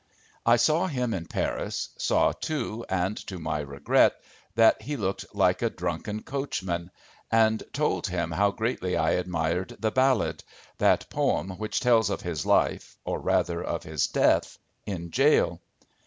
I saw him in Paris, saw too, and to my regret, that he looked like a drunken coachman, and told him how greatly I admired the "Ballad," that poem which tells of his life, or rather of his death, in jail.